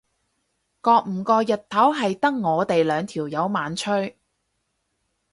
覺唔覺日頭係得我哋兩條友猛吹？